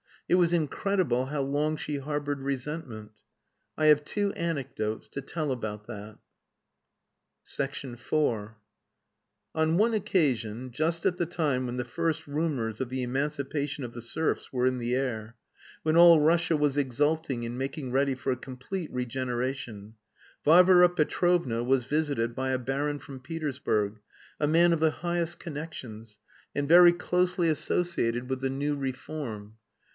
It was incredible how long she harboured resentment. I have two anecdotes to tell about that. IV On one occasion, just at the time when the first rumours of the emancipation of the serfs were in the air, when all Russia was exulting and making ready for a complete regeneration, Varvara Petrovna was visited by a baron from Petersburg, a man of the highest connections, and very closely associated with the new reform.